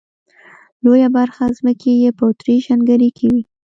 لويه برخه ځمکې یې په اتریش هنګري کې وې.